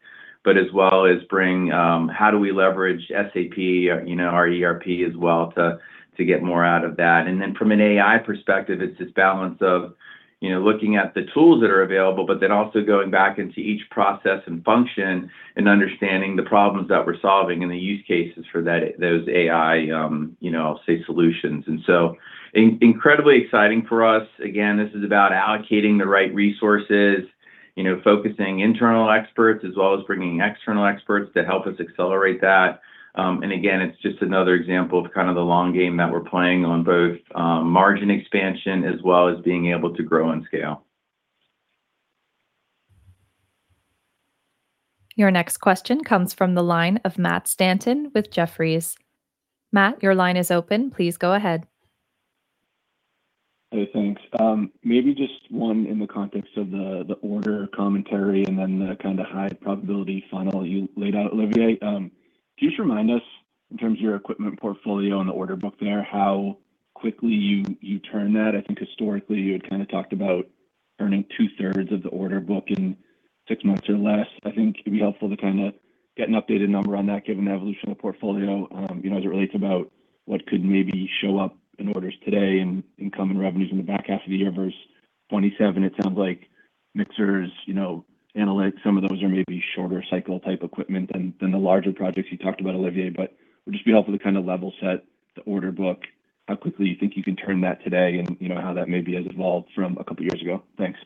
As well as bring, how do we leverage SAP, you know, our ERP as well to get more out of that. From an AI perspective, it's this balance of, you know, looking at the tools that are available, but then also going back into each process and function and understanding the problems that we're solving and the use cases for that, those AI, you know, I'll say solutions. Incredibly exciting for us. Again, this is about allocating the right resources, you know, focusing internal experts as well as bringing external experts to help us accelerate that. Again, it's just another example of kind of the long game that we're playing on both, margin expansion as well as being able to grow and scale. Your next question comes from the line of Matt Stanton with Jefferies. Matt, your line is open. Please go ahead. Thanks. Maybe just one in the context of the order commentary and then the kind of high probability funnel you laid out, Olivier. Could you just remind us in terms of your equipment portfolio and the order book there, how quickly you turn that? I think historically you had kind of talked about earning 2/3 of the order book in six months or less. I think it would be helpful to kind of get an updated number on that given the evolution of the portfolio, you know, as it relates about what could maybe show up in orders today and in common revenues in the back half of the year versus 2027. It sounds like mixers, you know, analytics, some of those are maybe shorter cycle type equipment than the larger projects you talked about, Olivier. Would just be helpful to kind of level set the order book, how quickly you think you can turn that today and, you know, how that maybe has evolved from a couple years ago. Thanks.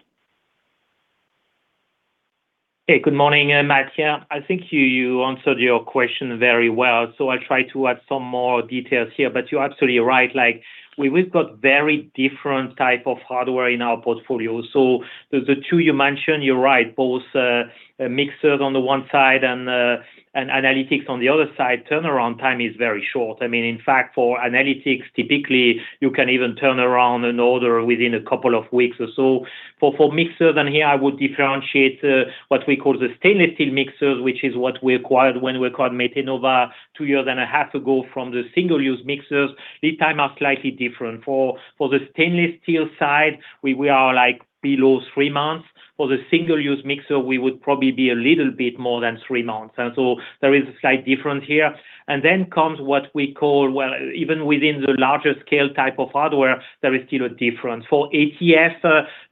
Hey, good morning, Matt. Yeah. I think you answered your question very well, so I'll try to add some more details here. You're absolutely right. Like, we've got very different type of hardware in our portfolio. The two you mentioned, you're right. Both mixers on the one side and analytics on the other side, turnaround time is very short. I mean, in fact, for analytics, typically, you can even turn around an order within a couple of weeks or so. For mixer, here I would differentiate what we call the stainless steel mixers, which is what we acquired when we acquired Metenova two and a half years ago from the single-use mixers. Lead time are slightly different. For the stainless steel side, we are like below three months. For the single-use mixer, we would probably be a little bit more than three months. There is a slight difference here. Well, even within the larger scale type of hardware, there is still a difference. For ATF,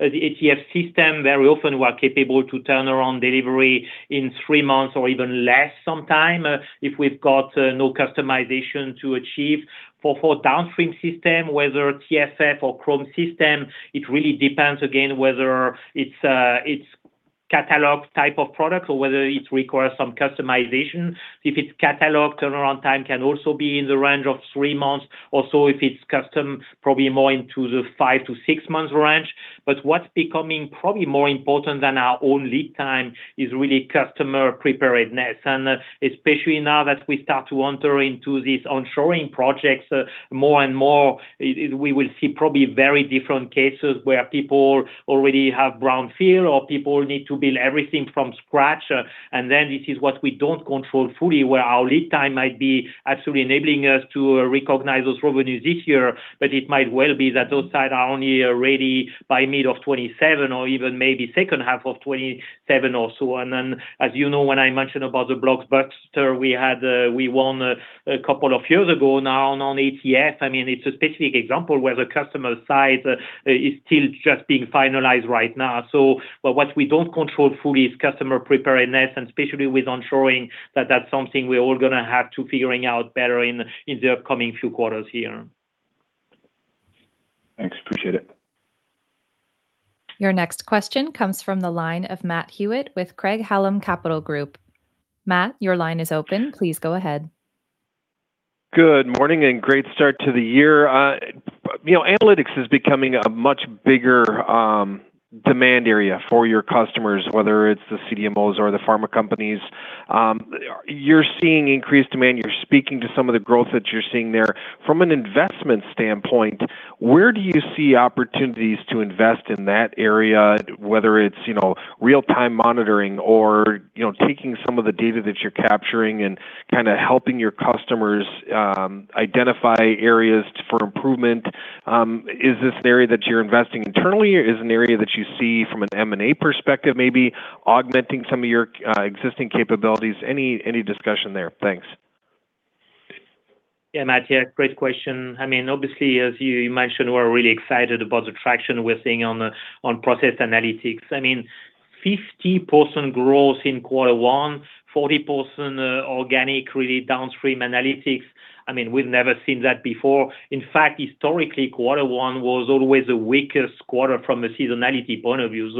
the ATF system, very often we are capable to turn around delivery in three months or even less sometime, if we've got no customization to achieve. For downstream system, whether TFF or chrom system, it really depends again whether it's catalog type of product or whether it requires some customization. If it's catalog, turnaround time can also be in the range of three months or so. If it's custom, probably more into the five to six months range. What's becoming probably more important than our own lead time is really customer preparedness. Especially now that we start to enter into these onshoring projects more and more, we will see probably very different cases where people already have brownfield or people need to build everything from scratch. This is what we don't control fully, where our lead time might be absolutely enabling us to recognize those revenues this year. It might well be that those sites are only ready by mid-2027 or even maybe second half of 2027 or so. As you know, when I mentioned about the Blockbuster we had, we won couple of years ago now on ATF, I mean, it's a specific example where the customer site is still just being finalized right now. What we don't control fully is customer preparedness, and especially with onshoring, that's something we're all gonna have to figuring out better in the upcoming few quarters here. Thanks. Appreciate it. Your next question comes from the line of Matt Hewitt with Craig-Hallum Capital Group. Matt, your line is open. Please go ahead. Good morning, and great start to the year. You know, analytics is becoming a much bigger demand area for your customers, whether it's the CDMOs or the pharma companies. You're seeing increased demand. You're speaking to some of the growth that you're seeing there. From an investment standpoint, where do you see opportunities to invest in that area, whether it's, you know, real-time monitoring or, you know, taking some of the data that you're capturing and kinda helping your customers identify areas for improvement? Is this an area that you're investing internally? Is it an area that you see from an M&A perspective, maybe augmenting some of your existing capabilities? Any discussion there? Thanks. Yeah, Matt. Yeah, great question. I mean, obviously, as you mentioned, we're really excited about the traction we're seeing on process analytics. I mean, 50% growth in quarter one, 40% organic, really downstream analytics. I mean, we've never seen that before. In fact, historically, quarter one was always the weakest quarter from a seasonality point of view.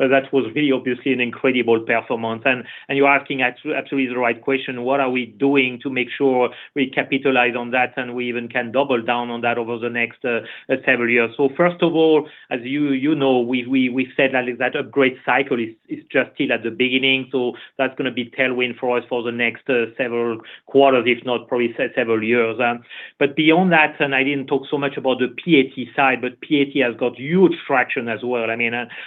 That was really obviously an incredible performance. You're asking absolutely the right question, what are we doing to make sure we capitalize on that, and we even can double down on that over the next several years? First of all, as you know, we said that upgrade cycle is just still at the beginning. That's gonna be tailwind for us for the next several quarters, if not probably several years. Beyond that, I didn't talk so much about the PAT side. PAT has got huge traction as well.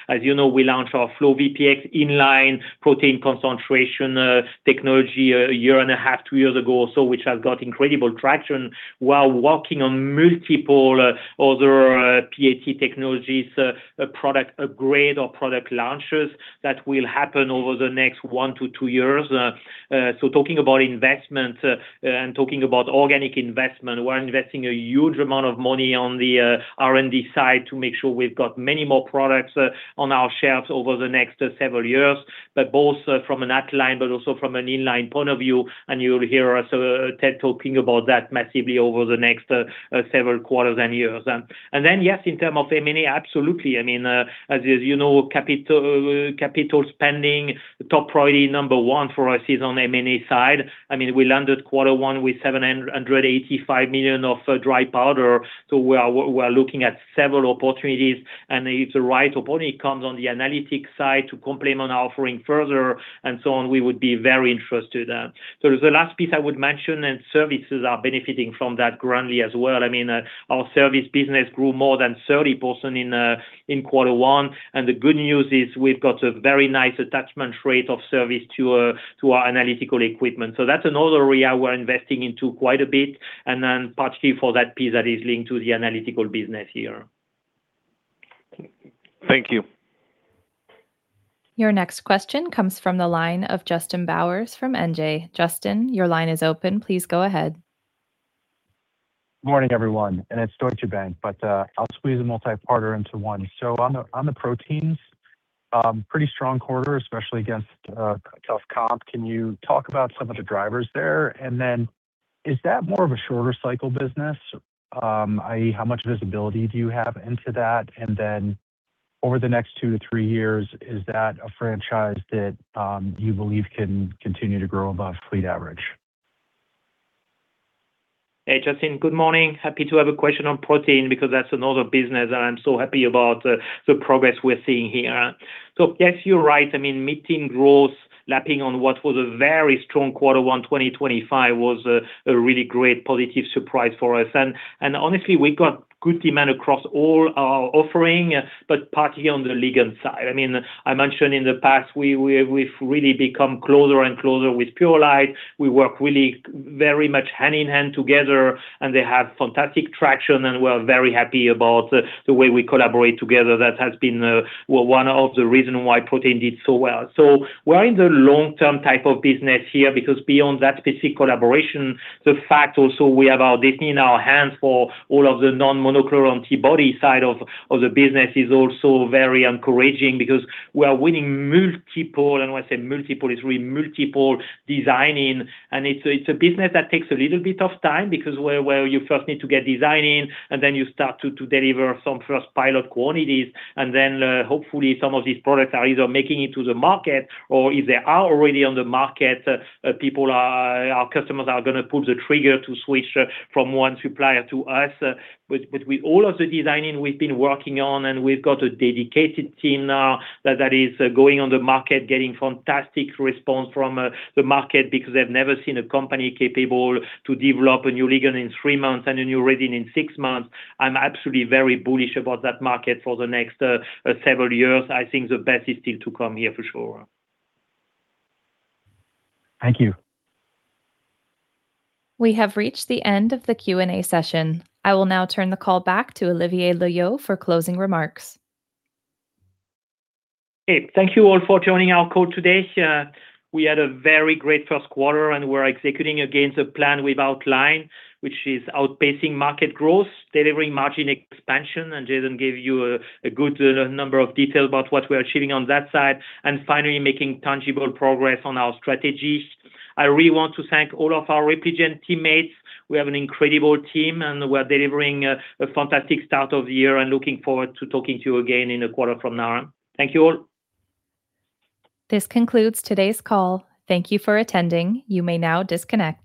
As you know, we launched our FlowVPX inline protein concentration technology year and half two years ago or so, which has got incredible traction while working on multiple other PAT technologies, product upgrade or product launches that will happen over the next one to two years. Talking about investment, talking about organic investment, we're investing a huge amount of money on the R&D side to make sure we've got many more products on our shelves over the next several years. Both from an at-line but also from an in-line point of view, you'll hear us talking about that massively over the next several quarters and years. Then, yes, in term of M&A, absolutely. I mean, as is, you know, capital spending, top priority number one for us is on M&A side. I mean, we landed quarter one with $785 million of dry powder. We are looking at several opportunities. If the right opportunity comes on the analytics side to complement our offering further and so on, we would be very interested. The last piece I would mention. Services are benefiting from that greatly as well. I mean, our Service business grew more than 30% in quarter one. The good news is we've got a very nice attachment rate of service to our analytical equipment. That's another area we're investing into quite a bit, and then partially for that piece that is linked to the Analytical business here. Thank you. Your next question comes from the line of Justin Bowers from Deutsche Bank. Justin, your line is open. Please go ahead. Morning, everyone. It's Deutsche Bank. I'll squeeze a multi-parter into one. On the proteins, pretty strong quarter, especially against a tough comp. Can you talk about some of the drivers there? Is that more of a shorter cycle business? i.e., how much visibility do you have into that? Over the next two to three years, is that a franchise that you believe can continue to grow above fleet average? Hey, Justin, good morning. Happy to have a question on protein because that's another business that I'm so happy about, the progress we're seeing here. Yes, you're right. I mean, meeting growth, lapping on what was a very strong quarter one 2025 was a really great positive surprise for us. Honestly, we got good demand across all our offering, but particularly on the ligand side. I mean, I mentioned in the past we've really become closer and closer with Purolite. We work really very much hand-in-hand together. They have fantastic traction, and we're very happy about the way we collaborate together. That has been, well, one of the reason why protein did so well. We're in the long-term type of business here because beyond that specific collaboration, the fact also we have our destiny in our hands for all of the non-monoclonal antibody side of the business is also very encouraging because we are winning multiple, and when I say multiple, it's really multiple designing. It's a business that takes a little bit of time because where you first need to get designing and then you start to deliver some first pilot quantities. Hopefully some of these products are either making it to the market or if they are already on the market, our customers are gonna pull the trigger to switch from one supplier to us. With all of the designing we've been working on, and we've got a dedicated team now that is going on the market, getting fantastic response from the market because they've never seen a company capable to develop a new ligand in three months and a new resin in six months. I'm absolutely very bullish about that market for the next several years. I think the best is still to come here for sure. Thank you. We have reached the end of the Q&A session. I will now turn the call back to Olivier Loeillot for closing remarks. Okay. Thank you all for joining our call today. We had a very great first quarter, and we're executing against the plan we've outlined, which is outpacing market growth, delivering margin expansion, and Jason gave you a good number of details about what we are achieving on that side, and finally making tangible progress on our strategies. I really want to thank all of our Repligen teammates. We have an incredible team, and we're delivering a fantastic start of the year and looking forward to talking to you again in a quarter from now. Thank you all. This concludes today's call. Thank you for attending. You may now disconnect.